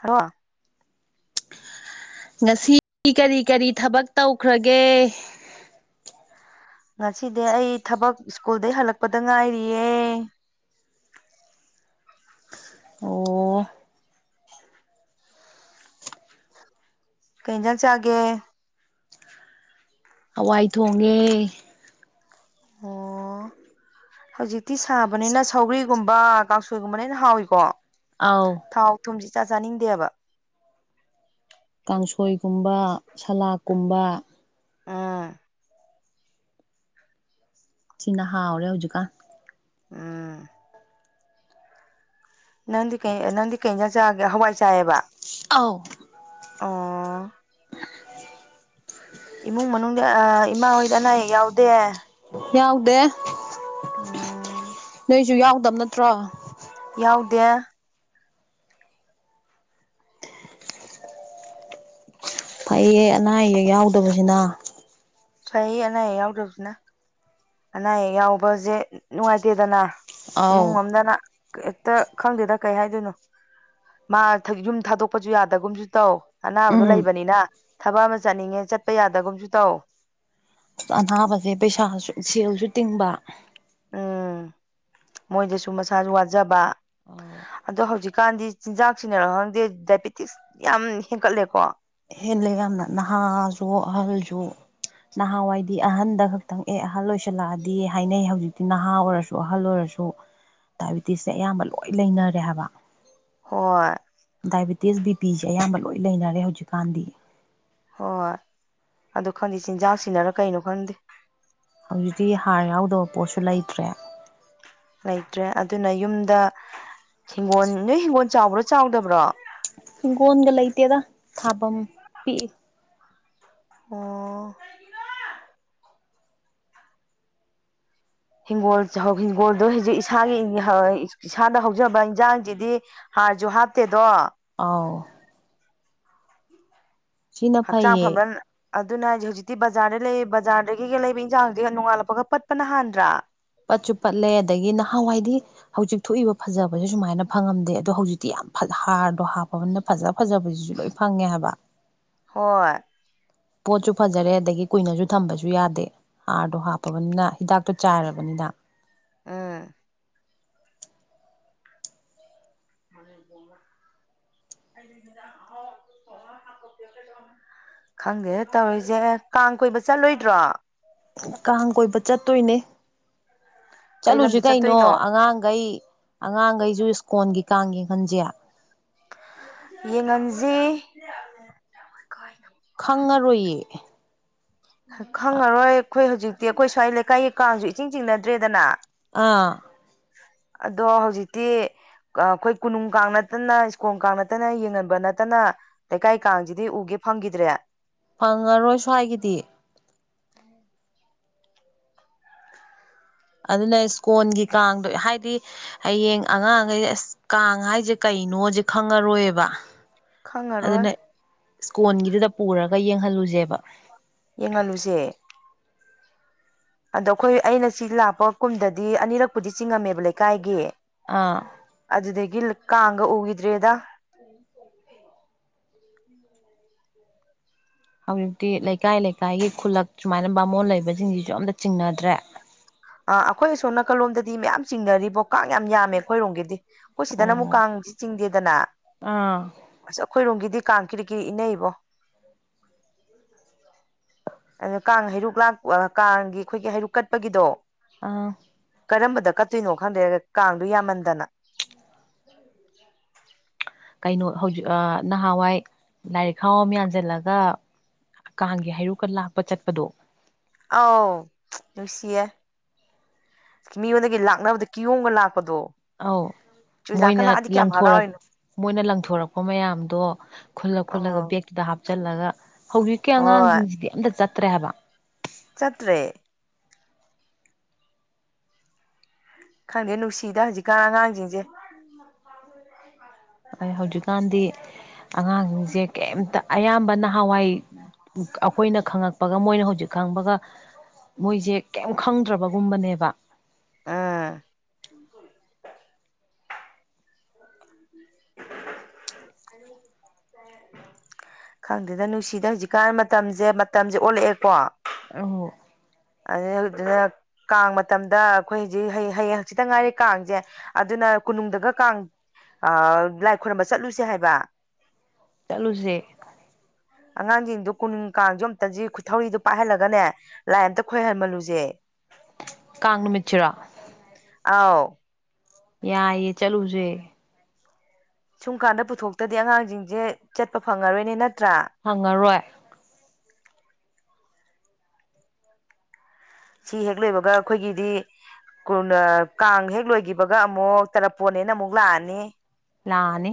ꯍꯥ ꯉꯁꯤ ꯀꯔꯤ ꯀꯔꯤ ꯊꯕꯛ ꯇꯧꯈ꯭ꯔꯒꯦ ꯉꯁꯤꯗꯤ ꯑꯩ ꯊꯕꯛ ꯁ꯭ꯀꯨꯜꯗꯩ ꯍꯜꯂꯛꯄꯗ ꯉꯥꯏꯔꯤꯌꯦ [unintelligible] ꯑꯣ ꯀꯩꯍꯤꯟꯖꯥꯡ ꯆꯥꯒꯦ ꯍꯋꯥꯏ ꯊꯣꯡꯉꯦ ꯑꯣ [inaudible] ꯍꯧꯖꯤꯛꯇꯤ ꯁꯥꯕꯅꯤꯅ ꯁꯧꯒ꯭ꯔꯤꯒꯨꯝꯕ ꯀꯥꯡꯁꯣꯏꯒꯨꯝꯕꯅ ꯍ‌ꯦꯟꯅ ꯍꯥꯎꯋꯀꯣ ꯑꯥꯎ ꯊꯥꯎ ꯊꯨꯝꯁꯤ ꯏꯆꯥ ꯆꯥꯅꯤꯡꯗꯦꯕ ꯀꯥꯡꯁꯣꯏꯒꯨꯝꯕ ꯁꯂꯥꯗꯀꯨꯝꯕ ꯑꯥ ꯁꯤꯅ ꯍꯥꯎꯔꯦ ꯍꯧꯖꯤꯛꯀꯀꯟ ꯎꯝ ꯅꯪꯗꯤ ꯀ ꯅꯪꯗꯤ ꯀꯩꯖꯥꯛ ꯆꯥꯒꯦ ꯍꯋꯥꯏ ꯆꯥꯌꯦꯕ ꯑꯧ ꯑꯥ ꯏꯃꯨꯡ ꯃꯅꯨꯡꯗ ꯑ ꯏꯃꯥ ꯍꯣꯏꯗꯅ ꯑꯌꯦꯛ ꯌꯥꯎꯗꯦ ꯌꯥꯎꯗꯦ ꯎꯝ ꯅꯣꯏꯁꯨ ꯌꯥꯎꯗꯕ ꯅꯠꯇ꯭ꯔꯣ ꯌꯥꯎꯗꯦ ꯐꯩꯌꯦ ꯑꯅꯥ ꯑꯌꯦꯛ ꯌꯥꯎꯗꯕꯁꯤꯅ ꯁꯏꯌꯦ ꯑꯅꯥ ꯑꯌꯦꯛ ꯌꯥꯎꯗꯕꯕꯁꯤꯅ ꯑꯅꯥ ꯑꯌꯦꯛ ꯌꯥꯎꯕꯁꯦ ꯅꯨꯡꯉꯥꯏꯇꯦꯗꯅ ꯏꯃꯨꯡ ꯑꯥꯎ ꯑꯃꯝꯗꯅ ꯍꯦꯛꯇ ꯈꯪꯗꯦꯗ ꯀꯩ ꯍꯥꯏꯗꯣꯏꯅꯣ ꯃꯥ ꯌꯨꯝ ꯊꯥꯗꯣꯛꯄꯁꯨ ꯌꯥꯗꯒꯨꯝꯁꯨ ꯇꯧ ꯑꯅꯥꯕꯗꯣ ꯎꯝ ꯂꯩꯕꯅꯤꯅ ꯊꯕꯛ ꯑꯃ ꯆꯠꯅꯤꯡꯉꯦ ꯆꯠꯄ ꯌꯥꯗꯒꯨꯝꯁꯨ ꯇꯧ ꯑꯅꯥꯕꯁꯦ ꯄꯩꯁꯥꯁꯨ ꯁꯦꯜꯁꯨ ꯇꯤꯡꯕ ꯎꯝ ꯃꯣꯏꯗꯁꯨ ꯃꯁꯥꯁꯨ ꯋꯥꯖꯕ ꯑꯥꯎ ꯑꯗꯣ ꯍꯧꯖꯤꯛꯀꯥꯟꯗꯤ ꯆꯤꯟꯖꯥꯛ ꯁꯤꯟꯅꯔ ꯈꯪꯗꯦ ꯗꯥꯏꯕꯦꯇꯤꯁ ꯌꯥꯝ ꯍꯦꯟꯒꯠꯂꯦꯀꯣ ꯍꯦꯜꯂꯦ ꯌꯥꯝꯅ ꯅꯍꯥꯁꯨ ꯑꯍꯜꯁꯨ ꯅꯍꯥꯟꯋꯥꯏꯗꯤ ꯑꯍꯟꯗ ꯈꯛꯇꯪ ꯑꯦ ꯑꯍꯜ ꯑꯣꯏꯁꯜꯂꯛꯑꯗꯤ ꯍꯥꯏꯅꯩ ꯍꯧꯖꯤꯛꯇꯤ ꯅꯍꯥ ꯑꯣꯏꯔꯁꯨ ꯑꯍꯜ ꯑꯣꯏꯔꯁꯨ ꯁꯨ ꯗꯥꯏꯕꯤꯦꯇꯤꯁꯁꯦ ꯑꯌꯥꯝꯕ ꯂꯣꯏ ꯂꯩꯅꯔꯦ ꯍꯥꯏꯕ ꯍꯣꯏ ꯗꯥꯏꯕꯤꯦꯇꯤꯁ ꯕꯤꯄꯤꯤꯁꯦ ꯑꯌꯥꯝꯕ ꯂꯣꯏ ꯂꯩꯅꯔꯦ ꯍꯧꯖꯤꯛꯀꯥꯟꯗꯤ ꯍꯣꯏ ꯑꯗꯨ ꯈꯪꯗꯦ ꯆꯤꯟꯖꯥꯛ ꯁꯤꯅꯔ ꯀꯩꯅꯣ ꯈꯪꯗꯦ ꯍꯧꯖꯤꯛꯇꯤ ꯍꯥꯔ ꯌꯥꯎꯗꯕ ꯄꯣꯠꯁꯨ ꯂꯩꯇ꯭ꯔꯦ ꯂꯩꯇ꯭ꯔꯦ ꯑꯗꯨꯅ ꯌꯨꯝꯗ ꯍꯤꯡꯒꯣꯜ ꯅꯣꯏ ꯍꯤꯡꯒꯣꯜ ꯆꯥꯎꯕ꯭ꯔꯣ ꯆꯥꯎꯗꯕ꯭ꯔꯣ ꯍꯤꯡꯒꯣꯜꯒ ꯂꯩꯇꯦꯗ ꯊꯥꯐꯝ ꯄꯤꯛꯏ ꯑꯣ ꯍꯤꯡꯒꯣꯜ ꯍꯤꯡꯒꯣꯜꯗꯣ ꯍꯧꯖꯤꯛ ꯏꯁꯥꯒꯤ ꯏꯁꯥꯗ ꯍꯧꯖꯕ ꯏꯟꯖꯥꯡꯖꯤꯗꯤ ꯍꯥꯔꯁꯨ ꯍꯥꯞꯇꯦꯗꯣ ꯑꫭ ꯁꯤꯅ ꯐꯩꯌꯦ ꯑꯗꯨꯅ‌ꯦ ꯍꯥꯏꯖ‌ꯦ ꯍꯧꯖꯤꯛꯇꯤ ꯕꯖꯥꯔ ꯂꯩ ꯕꯖꯥꯔꯗꯒꯤꯒ ꯂꯩꯕ ꯏꯟꯖꯥꯡꯗꯨꯗꯤꯒ ꯅꯣꯡꯉꯥꯜꯂꯛꯄꯒ ꯄꯠꯄꯅ ꯍꯥꯟꯗ꯭ꯔꯥ ꯄꯠꯁꯨ ꯄꯠꯂꯦ ꯑꯗꯒꯤ ꯅꯍꯥꯟꯋꯥꯏꯗꯤ ꯍꯧꯖꯤꯛ ꯊꯣꯛꯏꯕ ꯐꯖꯕꯁꯦ ꯁꯨꯃꯥꯏꯅ ꯐꯪꯉꯝꯗꯦ ꯑꯗꯣ ꯍꯧꯖꯤꯛꯇꯤ ꯍꯥꯔꯗꯣ ꯍꯥꯞꯄꯅꯤꯅ ꯐꯖ ꯐꯖꯕꯁꯤꯁꯨ ꯂꯣꯏ ꯐꯪꯉꯦ ꯍꯥꯏꯕ ꯍꯣꯏ ꯄꯣꯠꯁꯨ ꯐꯖꯔꯦ ꯑꯗꯒꯤ ꯀꯨꯏꯅꯁꯨ ꯊꯝꯕꯁꯨ ꯌꯥꯗꯦ ꯍꯥꯔꯗꯣ ꯍꯥꯞꯄꯕꯅꯤꯅ ꯍꯤꯗꯥꯛꯇꯣ ꯆꯥꯏꯔꯕꯅꯤꯅ ꯗ ꯑ [unintelligible] [unintelligible] ꯈꯪꯗꯦ ꯇꯧꯔꯤꯁꯦ ꯀꯥꯡ ꯀꯣꯏꯕ ꯆꯠꯂꯣꯏꯗ꯭ꯔꯣ ꯀꯥꯡ ꯀꯣꯏꯕ ꯆꯠꯇꯣꯏꯅꯦ ꯀꯩ ꯆꯠꯂꯨꯖꯤ ꯂꯝꯗ ꯀꯩꯅꯣ ꯆꯠꯇꯣꯏꯅꯣ ꯑꯉꯥꯡꯒꯩ ꯑꯉꯥꯡꯒꯩꯖꯨ ꯏꯁꯀꯣꯟꯒꯤ ꯀꯥꯡ ꯌ‌ꯦꯡ ꯍꯟꯖꯦ ꯌꯦꯡꯉꯟꯖꯤ ꯆꯪꯉꯔꯣꯏꯌꯦ ꯈꯪꯉꯔꯣꯏ ꯑꯩꯈꯣꯏ ꯍꯧꯖꯤꯛꯇꯤ ꯑꯩꯈꯣꯏ ꯁ꯭ꯋꯥꯏ ꯂꯩꯀꯥꯏꯒꯤ ꯀꯥꯡꯁꯨ ꯏꯆꯤꯡ ꯆꯤꯡꯅꯗ꯭ꯔꯦꯗꯅ ꯑꯥ ꯑꯗꯣ ꯍꯧꯖꯤꯛꯇꯤ ꯑꯩꯈꯣꯏ ꯀꯣꯅꯨꯡ ꯀꯥꯡ ꯅꯠꯇꯅ ꯁ꯭ꯀꯨꯜ ꯀꯥꯡ ꯅꯠꯇꯅ ꯌꯦꯡꯍꯟꯕ ꯅꯠꯇꯅ ꯂꯩꯀꯥꯏ ꯀꯥꯡꯖꯤꯗꯤ ꯎꯒꯦ ꯐꯪꯒꯤꯗ꯭ꯔꯦ ꯐꯪꯉꯔꯣꯏ ꯁ꯭ꯋꯥꯏꯒꯤꯗꯤ ꯎꯝ ꯑꯗꯨꯅ ꯏꯁꯀꯣꯟꯒꯤ ꯀꯥꯡꯗꯣ ꯍꯥꯏꯗꯤ ꯍꯌꯦꯡ ꯑꯉꯥꯡꯈꯩ ꯑꯁ ꯀꯥꯡ ꯍꯥꯏꯁꯦ ꯀꯩ ꯀꯩꯅꯣꯖ‌ꯦ ꯈꯪꯉꯔꯣꯏꯕ ꯈꯪꯉꯔꯣꯏ ꯑꯗꯨꯅ ꯏꯁꯀꯣꯟꯒꯤꯗꯨꯗ ꯄꯨꯔꯒ ꯌꯦꯡꯍꯜꯂꯨꯖ‌ꯦꯕ ꯌꯦꯡꯍꯜꯂꯨꯁꯦ ꯑꯗꯣ ꯑꯩꯈꯣꯏ ꯑꯩꯅ ꯁꯤ ꯂꯥꯛꯄ ꯀꯨꯝꯗꯗꯤ ꯑꯅꯤꯔꯛꯄꯨꯗꯤ ꯆꯤꯡꯉꯝꯃꯦꯕ ꯂꯩꯀꯥꯏꯒꯤ ꯑ ꯒꯤꯜ ꯀꯥꯡꯒ ꯎꯨꯒꯤꯗ꯭ꯔ‌ꯦꯗꯥ ꯍꯧꯖꯤꯛꯇꯤ ꯂꯩꯀꯥꯏ ꯂꯩꯀꯥꯏꯒꯤ ꯈꯨꯜꯂꯛ ꯁꯨꯃꯥꯏꯅ ꯕꯥꯃꯣꯟ ꯂꯩꯕꯁꯤꯡꯁꯤꯁꯨ ꯑꯝꯇ ꯆꯤꯡꯅꯗ꯭ꯔꯦ ꯑꯥ ꯑꯩꯈꯣꯏ ꯑꯁꯣꯝ ꯅꯥꯀꯜꯂꯣꯝꯗꯗꯤ ꯃꯌꯥꯝ ꯆꯤꯡꯅꯔꯤꯕꯣ ꯀꯥꯡ ꯌꯥꯝ ꯌꯥꯝꯃꯦ ꯑꯩꯈꯣꯏꯔꯣꯝꯒꯤꯗꯤ ꯑꯩꯈꯣꯏ ꯁꯤꯗꯅ ꯃꯨꯛ ꯑꯣ ꯀꯥꯡꯁꯤ ꯆꯤꯡꯗꯦꯗꯅ ꯑꯥ ꯑꯁ ꯑꯩꯈꯣꯏꯔꯣꯝꯒꯤꯗꯤ ꯀꯥꯡ ꯀꯤꫪꯤ ꯀꯤꯔꯤ ꯏꯟꯅꯩꯏꯕꯣ ꯑꯣꯗꫭ ꯀꯥꯡ ꯍꯩꯔꯨꯛ ꯂꯥꯛ ꯑ ꯀꯥꯡꯒꯤ ꯑꯩꯈꯣꯏꯒꯤ ꯍꯩꯔꯨꯛ ꯀꯠꯄꯒꯤꯗꯣ ꯑꯥ ꯀꯔꯝꯕꯗ ꯀꯠꯇꯣꯏꯅꯣ ꯈꯪꯗꯦ ꯀꯥꯡꯗꯨ ꯌꯥꯝꯃꯟꯗꯅ ꯀꯩꯅꯣ ꯍꯧꯖꯤꯛ ꯑ ꯅꯍꯥꯟꯋꯥꯏ ꯂꯥꯏꯔꯤꯛ ꯈꯥꯎ ꯑꯃ ꯌꯥꯟꯖꯤꯜꯂꯒ ꯀꯥꯡꯒꯤ ꯍꯥꯏꯔꯨꯛꯀ ꯂꯥꯛꯄ ꯆꯠꯄꯗꯣ ꯑꯥꯎ ꯅꯨꯡꯁꯤꯌꯦ ꯃꯤꯉꯣꯟꯗꯒꯤ ꯂꯥꯛꯅꯕꯗ ꯀꯤꯌꯣꯝꯒ ꯂꯥꯛꯄꯗꯣ ꯑꯧ ꯆꯨꯖꯥꯛꯀ ꯃꯣꯏꯅ ꯂꯥꯛꯑꯗꯤ ꯀꯌꯥꯝ ꯂꯪꯊꯣꯔꯛ ꯍꯔꯥꯎꯔꯤꯅꯣ ꯃꯣꯏꯅ ꯂꯪꯊꯣꯔꯛꯄ ꯃꯌꯥꯝꯗꯣ ꯈꯨꯜꯂ ꯑ ꯈꯨꯜꯂꯒ ꯕꯦꯛꯇꯨꯗ ꯍꯥꯞ ꯆꯜꯂꯒ ꯍꯧꯖꯤꯛꯀꯤ ꯑꯉꯥꯡ ꯍꯣꯏ ꯖꯤꯡꯖꯤꯗꯤ ꯑꯝꯇ ꯆꯠꯇ꯭ꯔꯦ ꯍꯥꯏꯕ ꯆꯠꯇ꯭ꯔꯦ ꯈꯪꯗꯦ ꯅꯨꯡꯁꯤꯗ ꯍꯧꯖꯤꯛꯀꯥꯟ ꯑꯉꯥꯡꯁꯤꯡꯁꯦ ꯑ ꯍꯧꯖꯤꯛꯀꯥꯟꯗꯤ ꯑꯉꯥꯡꯁꯤꯡꯁꯦ ꯀꯩꯝꯇ ꯑꯌꯥꯝꯕ ꯅꯍꯥꯟꯋꯥꯏ ꯑꯩꯈꯣꯏꯅ ꯈꯉꯛ ꯍꯥꯄꯒ ꯃꯣꯏꯅ ꯍꯧꯖꯤꯛ ꯈꯪꯕꯒ ꯃꯣꯏꯁꯦ ꯀꯩꯝ ꯈꯪꯗ꯭ꯔꯕꯒꯨꯝꯕꯅꯦꯕ ꯑꯥ [unintelligible] ꯈꯪꯗꯦꯗ ꯅꯨꯡꯁꯤꯗ ꯍꯧꯖꯤꯛꯀꯥꯟ ꯃꯇꯝꯁꯦ ꯃꯇꯝꯁꯦ ꯑꯣꯜꯂꯛꯑꯦꯀꯣ ꯑ ꯀꯥꯡ ꯃꯇꯝꯗ ꯑꯩꯈꯣꯏ ꯍꯧꯖꯤꯛ ꯍꯌꯦꯡ ꯍꯖꯤꯛꯇ ꯉꯥꯏꯔꯤꯦ ꯀꯥꯡꯁꯦ ꯑꯗꯨꯅ ꯀꯨ ꯇꯨꯡꯗꯒ ꯀꯥꯡ ꯂꯥꯏ ꯈꯨꯣꯏꯔꯕ ꯆꯠꯂꯨꯁꯦ ꯍꯥꯏꯕ ꯆꯂꯨꯁꯦ ꯑꯉꯥꯡꯁꯤꯡꯗꯨꯣ ꯀꯨꯅꯨꯡ ꯀꯥꯡꯁꯨ ꯑꯝꯇꯁꯤ ꯈꯨ ꯊꯧꯔꯤꯗꯣ ꯄꯥꯏꯍꯜꯂꯒꯅꯦ ꯂꯥꯏꯟ ꯑꯝꯇ ꯑꯩꯈꯣꯏ ꯍꯟꯃꯜꯂꯨꯁꯦ ꯀꯥꯉꯃꯤꯆꯔꯥ ꯑꯥꯎ ꯌꯥ ꯌꯦ ꯆꯂꯨꯁꯦ ꯁꯨꯝ ꯀꯥꯟꯗ ꯄꯨꯊꯣꯛꯇꯗꯤ ꯑꯉꯥꯡꯁꯤꯡꯁꯦ ꯆꯠꯄ ꯐꯪꯉꯔꯣꯏꯅꯦ ꯅꯠꯇ ꯍꯪꯉꯔꯣꯏ ꯁꯤ ꯍꯦꯛ ꯂꯩꯣꯏꯕꯒ ꯑꯩꯈꯣꯏꯒꯤꯗꯤ ꯀꯥꯡ ꯍꯦꯛ ꯂꯣꯏꯒꯤꯈꯤꯕꯒ ꯑꯃꯨꯛ ꯇꯔꯥꯄꯣꯟ ꯍꯅ ꯑꯃꯨꯛ ꯂꯥꯛꯑꯅꯤ ꯂꯥꯅꯦ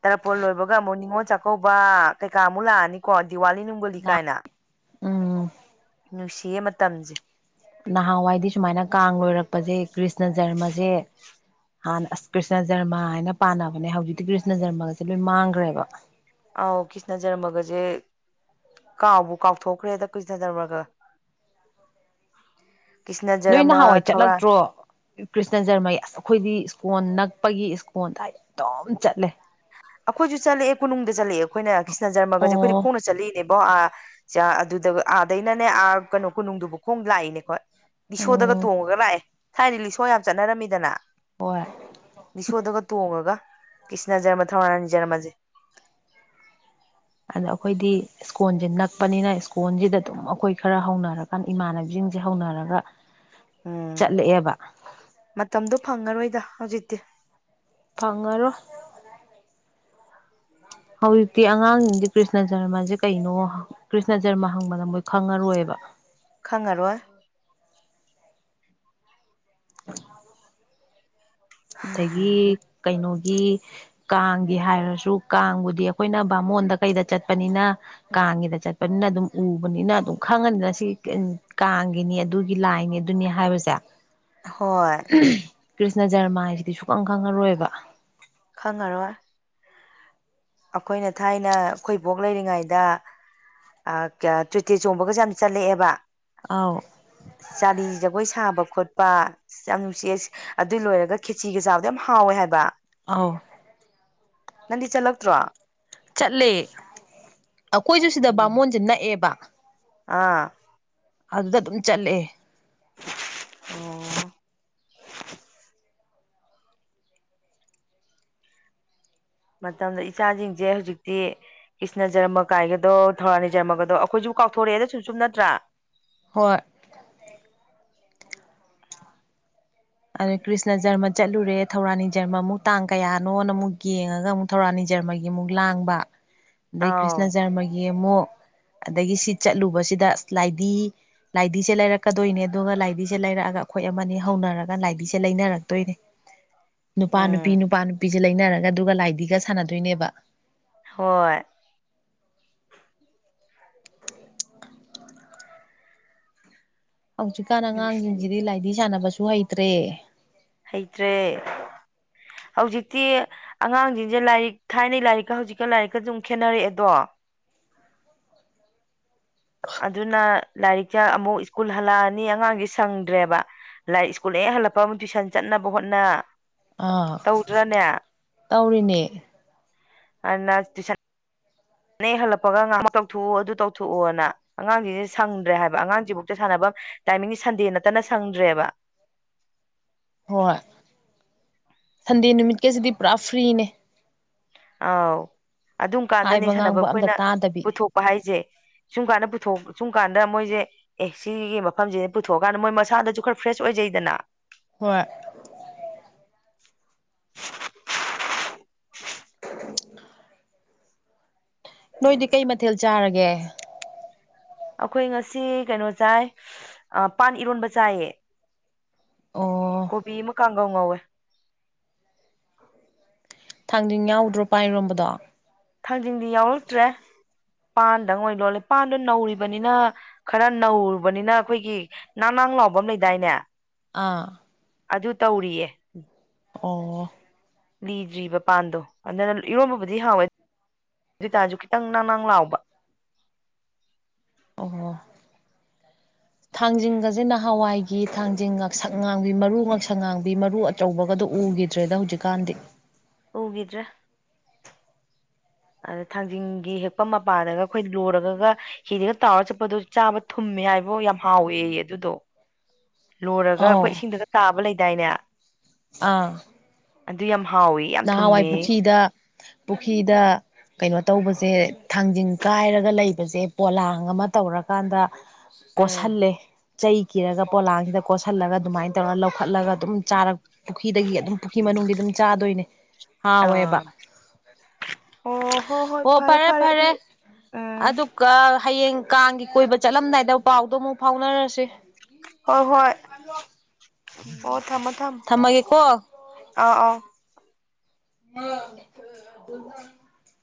ꯇꯔꯥꯄꯣꯜ ꯂꯣꯏꯕꯒ ꯑꯃꯨꯛ ꯅꯤꯉꯣꯜ ꯆꯥꯛꯀꯧꯕ ꯀꯩꯀꯥ ꯑꯃꯨꯛ ꯂꯥꯛꯑꯅꯤꯀꯣ ꯗꯤꯋꯥꯂꯤ ꯅꯨꯡꯒꯣꯂꯤ ꯀꯥꯏꯅ ꯎꯝ ꯅꯨꯡꯁꯤꯌꯦ ꯃꯇꯝꯁꯦ ꯅꯍꯥꯟꯋꯥꯏꯗꯤ ꯁꯨꯃꯥꯏꯅ ꯀꯥꯡ ꯂꯣꯏꯔꯛꯄꯁꯦ ꯀ꯭ꯔꯤꯁꯅ ꯖꯔꯃꯁꯦ ꯍꯥꯟꯅ ꯑꯁ ꯀ꯭ꯔꯤꯁꯅ ꯖꯔꯃ ꯍꯥꯏꯅ ꯄꯥꯟꯅꯕꯅꯦ ꯍꯧꯖꯤꯛꯇꯤ ꯀ꯭ꯔꯤꯁꯅ ꯖꯔꯃꯒꯁꯦ ꯂꯣꯏ ꯃꯥꯡꯈ꯭ꯔꯦꯕ ꯑꯧ ꯀ꯭ꯔꯤꯁꯅ ꯖꯔꯃꯒꯁꯦ ꯀꯥꯎꯕꯨ ꯀꯥꯎꯊꯣꯛꯈ꯭ꯔꯦꯗ ꯀꯨꯏꯁꯅꯗꯔꯃꯒ [unintelligible] ꯅꯣꯏ ꯅꯍꯥꯟꯋꯥꯏ ꯊꯧꯔꯥꯡ ꯆꯠꯂꯛꯇ꯭ꯔꯣ ꯀ꯭ꯔꯤꯁꯅ ꯖꯔꯃ ꯑꯁ ꯑꯩꯈꯣꯏꯗꯤ ꯏꯁꯀꯣꯟ ꯅꯛꯄꯒꯤ ꯏꯁꯀꯣꯟꯜꯗ ꯑꯩ ꯑꯗꯨꯝ ꯆꯠꯂꯦ ꯑꯩꯈꯣꯏꯁꯨ ꯆꯠꯂꯛꯦꯣꯅꯨꯡꯗ ꯆꯠꯂꯛꯑꯦ ꯑꯩꯈꯣꯏꯅ꯭ꯔꯤꯁꯅ ꯖꯔꯃꯒꯁꯦ ꯑꯣ ꯑꯩꯈꯣꯏꯗꯤꯣꯡ ꯆꯂꯛꯏꯅꯦꯕ ꯕ ꯑꯥ ꯑꯗꯨꯗ ꯑꯥꯗꯩꯅꯅꯦ ꯑꯥ ꯀꯩꯅꯣ ꯀꯣꯅꯨꯡꯗꯨꯕꯨ ꯈꯣꯡ ꯂꯥꯛꯏꯅꯦꯀꯣ ꯂꯤꯁꯣꯗꯒ ꯎꯝ ꯇꯣꯡꯉꯒ ꯂꯥꯛꯑꯦ ꯁꯋꯥꯏꯗꯤ ꯂꯤꯁꯣ ꯌꯥꯝ ꯆꯠꯅꯔꯝꯃꯤꯗꯅ ꯍꯣꯏ ꯅꯤꯁꯣꯗꯒ ꯇꯣꯡꯉꯒ ꯀ꯭ꯔꯤꯁꯅꯖꯔꯃ ꯊꯅꯥꯖꯔꯃꯁꯦ ꯑꯗ ꯑꯩꯈꯣꯏꯗꯤ ꯁ꯭ꯀꯣꯟꯁꯦ ꯅꯛꯄꯅꯤꯅ ꯁ꯭ꯀꯣꯟꯁꯤꯗ ꯑꯗꯨꯝ ꯑꯩꯈꯣꯏ ꯈꯔ ꯍꯧꯅꯔꯀꯥꯟꯗ ꯏꯃꯥꯟꯅꯕꯤꯁꯤꯡꯁꯦ ꯍꯧꯅꯔ ꯑꯗꯨꯒꯒ ꯎꯝ ꯃꯇꯝꯗꯣ ꯐꯪꯉꯔꯣꯏꯗ ꯍꯧꯖꯤꯛꯇꯤ ꯐꯪꯉꯔꯣꯏ ꯍꯧꯖꯤꯛꯇꯤ ꯑꯉꯥꯡꯁꯤꯡꯗꯤ ꯀ꯭ꯔꯤꯁꯅ ꯖꯔꯃꯁꯦ ꯀꯩꯅꯣ ꯀ꯭ꯔꯤꯁꯅ ꯖꯔꯃ ꯍꯪꯕ ꯅ ꯃꯣꯏ ꯈꯪꯉꯔꯣꯏꯕ ꯈꯪꯉꯔꯣꯏ [unintelligible] ꯑꯗꯒꯤ ꯎꯝ ꯀꯩꯅꯣ ꯒꯤ ꯀꯥꯡꯒꯤ ꯍꯥꯏꯔꯁꯨ ꯀꯥꯡꯕꯨꯗꯤ ꯑꯩꯈꯣꯏꯅ ꯕꯥꯃꯣꯟꯗ ꯀꯩꯗ ꯆꯠꯄꯅꯤꯅ ꯀꯥꯡ ꯀꯥꯡꯒꯦꯗ ꯆꯠꯄꯅꯤꯅ ꯑꯗꯨꯝ ꯎꯕꯅꯤꯅ ꯑꯗꯨꯝ ꯈꯪꯉꯅꯤꯅ ꯁꯤ ꯀꯥꯡꯒꯤꯅꯤ ꯑꯗꯨꯒꯤ ꯂꯥꯏꯅꯤ ꯑꯗꯨꯅꯤ ꯃꯤꯅꯤ ꯍꯥꯏꯥꯏꯕꯖꯥ ꯍꯣꯏ ꯀ꯭ꯔꯤꯁꯅ ꯖꯔꯃꯥ ꯍꯥꯏꯁꯤꯗꯤ ꯁꯨꯈꯪ ꯈꯪꯉꯔꯣꯏꯕ ꯉꯔ ꯑꯩꯈꯣꯏꯅ ꯊꯥꯏꯅ ꯈꯣꯏꯕꯣꯛ ꯂꯩꯔꯤꯉꯩꯗ ꯑ ꯀ꯭ꯌꯥ ꯆꯣꯏꯇꯦ ꯆꯣꯡꯕꯒꯖꯦ ꯌꯥꯝ ꯆꯠꯂꯛꯑꯦꯕ꯫ ꯑꯧ ꯆꯥꯂꯤ ꯖꯒꯣꯏ ꯁꯥꯕ ꯈꯣꯠꯄ ꯌꯥꯝ ꯅꯨꯡꯁꯤꯌꯦ ꯑꯁ ꯑꯗꯨ ꯂꯣꯏꯔꯒ ꯈꯦꯆꯤꯒ ꯆꯥꯕꯗꯣ ꯌꯥꯝ ꯍꯥꯎꯋꯦ ꯍꯥꯏꯕ꯫ ꯑꯥꯎ ꯅꯪꯗꯤ ꯆꯠꯂꯛꯇ꯭ꯔꯣ? ꯆꯠꯂꯦ ꯑꯈꯣꯏꯖꯨ ꯁꯤꯗ ꯕꯥꯃꯣꯟꯖꯦ ꯅꯛꯑꯦꯕ꯫ ꯑꯥ ꯑꯗꯨꯗ ꯑꯗꯨꯝ ꯆꯠꯂꯦ꯫ ꯑꯣ ꯃꯇꯝꯗ ꯏꯆꯥꯖꯤꯡꯁꯦ ꯍꯧꯖꯤꯛꯇꯤ ꯀ꯭ꯔꯤꯁꯅ ꯖꯔꯃ ꯀꯥꯏꯒꯗꯣ ꯊꯧꯔꯥꯅꯤ ꯖꯔꯃꯒꯗꯣ ꯑꯈꯣꯏꯖꯨ ꯀꯥꯎꯊꯣꯔꯛꯑꯦꯗ ꯁꯨꯝ-ꯁꯨꯝ ꯅꯠꯇ꯭ꯔꯥ? ꯍꯣꯏ ꯑꯗ ꯀ꯭ꯔꯤꯁꯅ ꯖꯔꯃ ꯆꯠꯂꯨꯔꯦ ꯊꯧꯔꯥꯅꯤ ꯖꯔꯃ ꯑꯃꯨꯛ ꯇꯥꯡ ꯀꯌꯥꯅꯣꯅ ꯑꯃꯨꯛ ꯌꯦꯡꯉꯒ ꯑꯃꯨꯛ ꯊꯧꯔꯥꯅꯤꯖ ꯖꯔꯃꯒꯤ ꯑꯃꯨꯛ ꯂꯥꯡꯕ ꯑꯗꯩ ꯑꯥꯎ ꯀ꯭ꯔꯤꯁꯅ ꯖꯔꯃꯒꯤ ꯑꯃꯨꯛ꯫ ꯑꯗꯒꯤ ꯁꯤ ꯆꯠꯂꯨꯕꯁꯤꯗ ꯑꯁ ꯂꯥꯏꯗꯤ ꯂꯥꯏꯙꯤꯁꯦ ꯂꯩꯔꯛꯀꯗꯣꯏꯅꯦ ꯑꯗꯨꯒ ꯂꯥꯏꯙꯤꯁꯦ ꯂꯩꯔꯛꯑꯒ ꯑꯈꯣꯏ ꯑꯃꯅꯤ ꯍꯧꯅꯔꯒ ꯂꯥꯏꯙꯤꯁꯦ ꯂꯩꯅꯔꯛꯇꯣꯏꯅꯤ ꯅꯨꯄꯥ-ꯅꯨꯄꯤ ꯎꯝ ꯅꯨꯄꯥ- ꯅꯨꯄꯤ ꯖꯦ ꯂꯩꯅꯔꯒ ꯑꯗꯨꯒ ꯂꯥꯏꯙꯤꯒ ꯁꯥꯟꯅꯗꯣꯏꯅꯦꯕ꯫ ꯍꯣꯏ ꯍꯧꯖꯤꯛꯀꯥꯟ ꯅꯨꯡꯁꯤꯌꯦ ꯑꯉꯥꯡꯖꯤꯡꯖꯤꯗꯤ ꯂꯥꯏꯙꯤ ꯁꯥꯟꯅꯕꯁꯨ ꯍꯩꯇ꯭ꯔꯦ꯫ ꯍꯩꯇ꯭ꯔꯦ ꯍꯧꯖꯤꯛꯇꯤ ꯑꯉꯥꯡꯖꯤꯡꯁꯦ ꯂꯥꯏꯔꯤꯛ ꯊꯥꯏꯅꯩ ꯂꯥꯏꯔꯤꯛꯀ ꯍꯧꯖꯤꯛꯀ ꯂꯥꯏꯔꯤꯛꯀꯖꯨ ꯑꯃꯨꯛ ꯈꯦꯠꯅꯔꯛꯑꯦꯗꯣ꯫ [inaudible] ꯑꯗꯨꯅ ꯂꯥꯏꯔꯤꯛꯁꯦ ꯑꯃꯨꯛ ꯁ꯭ꯀꯨꯜ ꯍꯜꯂꯛꯑꯅꯤ ꯑꯉꯥꯡꯖꯦ ꯁꯪꯗ꯭ꯔꯦꯕ ꯂꯥꯏꯔꯤꯛ ꯁ꯭ꯀꯨꯜ ꯍꯦꯛ ꯍꯜꯂꯛꯄꯒ ꯑꯃꯨꯛ ꯇꯨꯏꯁꯟ ꯆꯠꯅ ꯅꯕ ꯍꯣꯠꯅ ꯑꯥ ꯇꯧꯗ꯭ꯔꯅꯦ ꯇꯧꯔꯤꯅꯦ ꯍꯥꯟꯅ ꯇꯨꯏꯁꯟ [inaudible] ꯅꯦꯛ ꯍꯜꯂꯛꯄꯒ ꯉꯥꯃꯛ ꯇꯧꯊꯣꯛꯎ ꯑꯗꯨ ꯇꯧꯊꯣꯛꯎꯅ ꯑꯉꯥꯡꯖꯤꯡꯖꯦ ꯁꯪꯗ꯭ꯔꯦ ꯍꯥꯏꯕ ꯑꯉꯥꯡꯖꯤꯕꯣꯛꯄꯗ ꯁꯥꯟꯅꯕꯝ ꯇꯥꯏꯃꯤꯡꯖꯦ ꯁꯟꯗꯦ ꯅꯠꯇꯅ ꯁꯪꯗ꯭ꯔꯦꯕ꯫꯫ [inaudible] ꯍꯣꯏ ꯁꯟꯗꯦ ꯅꯨꯃꯤꯠꯀꯖꯤꯗꯤ ꯄꯨꯔꯥ ꯐ꯭ꯔꯤꯅꯦ꯫ ꯑꯥꯎ ꯑꯗꯨꯝ ꯀꯥꯟꯗꯅꯦ ꯍꯥꯏꯕ ꯁꯥꯟꯅꯕ ꯉꯥꯡꯕ ꯑꯝꯇ ꯑꯩꯈꯣꯏꯅ ꯇꯥꯗꯕꯤ ꯄꯨꯊꯣꯛꯄ ꯍꯥꯏꯖꯦ꯫ ꯁꯨꯝ ꯀꯥꯟꯗ ꯄꯨꯊꯣꯛ ꯁꯨꯝ ꯀꯥꯟꯗ ꯃꯣꯏꯖꯦ ꯑꯦ ꯁꯤꯒꯤ ꯃꯐꯝꯖꯤꯗ ꯄꯨꯊꯣꯛꯑꯀꯥꯟꯗ ꯃꯣꯏ ꯃꯁꯥꯗꯁꯨ ꯈꯔ ꯐ꯭ꯔꯦꯁ ꯑꯣꯏꯖꯩꯗꯅ ꯍꯣꯏ [unintelligible] [inaudible] ꯅꯣꯏꯗꯤ ꯀꯩ ꯃꯊꯦꯜ ꯆꯥꯔꯒꯦ? ꯑꯩꯈꯣꯏ ꯉꯁꯤ ꯀꯩꯅꯣ ꯆꯥꯏ ꯑ ꯄꯥꯟ ꯏꯔꯣꯟꯕ ꯆꯥꯏꯌꯦ꯫ ꯑꯣ ꯀꯣꯕꯤ ꯑꯃ ꯀꯥꯡꯒꯧ ꯉꯧꯋꯦ ꯊꯥꯡꯖꯤꯡ ꯌꯥꯎꯗ꯭ꯔꯣ ꯄꯥꯟ ꯏꯔꯣꯝꯕꯗꯣ? ꯊꯥꯡꯖꯤꯡꯗꯤ ꯌꯥꯎꯔꯛꯇ꯭ꯔꯦ꯫ ꯄꯥꯟꯗꯪ ꯑꯣꯏ ꯂꯣꯜꯂꯦ ꯄꯥꯟꯗꯣ ꯅꯧꯔꯤꯕꯅꯤꯅ ꯈꯔ ꯅꯧꯔꯨꯕꯅꯤꯅ ꯑꯩꯈꯣꯏꯒꯤ ꯅꯥꯟ-ꯅꯥꯟ ꯥꯅꯥꯡ ꯂꯥꯎꯕꯝ ꯂꯩꯗꯥꯏꯅꯦ꯫ ꯑꯥ ꯑꯗꯨ ꯇꯧꯔꯤꯌꯦ꯫ ꯑꯣ ꯂꯤꯗ꯭ꯔꯤꯕ ꯄꯥꯟꯗꯣ ꯑꯗꯨꯅ ꯏꯔꯣꯝꯕꯕꯨꯗꯤ ꯍꯥꯎꯋꯦ꯫ ꯑꯗꯨꯇꯥꯁꯨ ꯈꯤꯇꯪ ꯅ ꯅꯪ ꯂꯥꯎꯕ ꯑꯣ ꯊꯥꯡꯖꯤꯡꯒꯁꯤ ꯅꯍꯥꯟꯋꯥꯏꯒꯤ ꯊꯥꯡꯖꯤꯡ ꯉꯥꯛꯁꯛ ꯉꯥꯡꯕꯤ ꯃꯔꯨ ꯉꯥꯛꯁꯛ ꯉꯥꯡꯕꯤ ꯃꯔꯨ ꯑꯆꯧꯕꯒꯗ ꯎ ꯎꯈꯤꯗ꯭ꯔꯦꯗ ꯍꯧꯖꯤꯛꯀꯥꯟꯗꯤ ꯎꯈꯤꯗ꯭ꯔꯦ ꯑꯗ ꯊꯥꯡꯖꯤꯡꯒꯤ ꯍꯦꯛꯄ ꯃꯄꯥꯗꯒ ꯑꯩꯈꯣꯏ ꯂꯣꯏꯨꯔꯒ ꯍꯤꯗꯒ ꯇꯥꯎꯔꯒ ꯆꯠꯄꯗꯣ ꯆꯥꯕ ꯊꯨꯝꯃꯦ ꯃꯤ ꯍꯥꯏꯕꯣ ꯌꯥꯝ ꯍꯥꯎꯋꯦ ꯑꯗꯨꯗꯣ ꯂꯣꯏꯔꯒ ꯑꯧ ꯑꯩꯈꯣꯏ ꯏꯁꯤꯡꯗꯒ ꯇꯥꯕ ꯂꯩꯗꯥꯏꯅꯦ ꯑꯥ ꯑꯗꯨ ꯌꯥꯝ ꯍꯥꯎꯋꯦ ꯌꯥꯝ ꯅꯍꯥꯟꯋꯥꯏ ꯊꯨꯝꯃꯦ ꯄꯨꯈ꯭ꯔꯤꯗ ꯄꯨꯈ꯭ꯔꯤꯗ ꯀꯩꯅꯣ ꯇꯧꯕꯁꯦ ꯁꯦ ꯊꯥꯡꯖꯤꯡ ꯀꯥꯏꯔꯒ ꯂꯩꯕꯁꯦ ꯄꯣꯂꯥꯡ ꯑꯃ ꯇꯧꯔꯀꯥꯟꯗ ꯎꯝ ꯀꯣꯠꯁꯤꯜꯂꯦ ꯆꯩ ꯀꯤꯔꯒ ꯄꯣꯂꯥꯡꯁꯤꯗ ꯀꯣ ꯀ ꯊꯜꯂꯒ ꯑꯗꯨꯃꯥꯏꯅ ꯇꯧꯔꯒ ꯂꯧꯈꯠꯂꯒ ꯑꯗꯨꯝ ꯆꯥꯔ ꯄꯨꯈ꯭ꯔꯤꯗꯒꯤ ꯑꯗꯨꯝ ꯄꯨꯈ꯭ꯔꯤ ꯃꯅꯨꯡꯒꯤ ꯑꯗꯨꯝ ꯆꯥꯗꯣꯏꯅꯦ ꯑ ꯑꯣꯏꯌꯦꯕ ꯑꯥ ꯑꯣ ꯍꯣ ꯍꯣꯏ ꯑꯣ ꯐꯔꯦ ꯐꯔꯦ ꯑꯗꯨ ꯎꯝ ꯑꯗꯨꯒ ꯍꯌꯦꯡ ꯀꯥꯡꯒꯤ ꯀꯣꯏꯕ ꯆꯠꯂꯝꯗꯥꯏꯗ ꯄꯥꯎꯗꯣ ꯑꯃꯨꯛ ꯐꯥꯎꯅꯔꯁꯤ ꯍꯣꯏ ꯍꯣꯏ ꯑꯣ ꯊꯝꯃꯣ ꯊꯝꯃꯣ ꯊꯃꯒꯦ ꯀꯣ ꯑꯥ ꯑꯥꯎ ꯑ